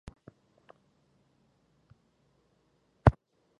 tapiaite oikókuri oñondivepa upe ógape.